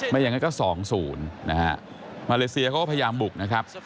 ไม่อย่างนั้นก็สองศูนย์นะฮะมาเลเซียก็พยายามบุกนะครับ